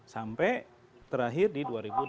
sampai terakhir di dua ribu delapan belas